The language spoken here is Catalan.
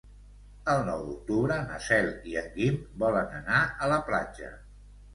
El nou d'octubre na Cel i en Guim volen anar a la platja.